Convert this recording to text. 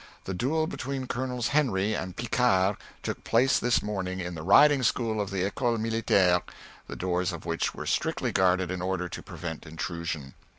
The duel between Colonels Henry and Picquart took place this morning in the Riding School of the Ecole Militaire, the doors of which were strictly guarded in order to prevent intrusion.